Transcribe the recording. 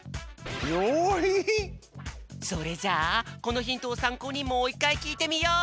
それじゃあこのヒントをさんこうにもういっかいきいてみよう！